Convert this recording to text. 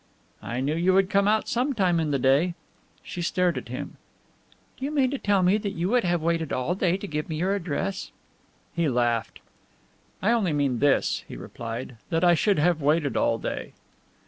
"I knew you would come out some time in the day." She stared at him. "Do you mean to tell me that you would have waited all day to give me your address?" He laughed. "I only mean this," he replied, "that I should have waited all day."